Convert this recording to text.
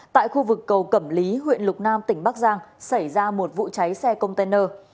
tại khu vực cầu cẩm lý huyện lục nam tỉnh bắc giang xảy ra một vụ cháy xe container